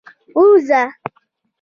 ووځه.